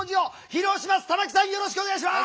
玉木さんよろしくお願いします。